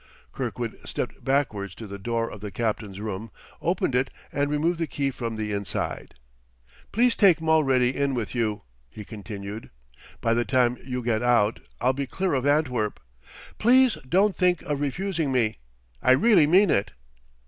Kirkwood stepped backwards to the door of the captain's room, opened it and removed the key from the inside. "Please take Mulready in with you," he continued. "By the time you get out, I'll be clear of Antwerp. Please don't think of refusing me, I really mean it!"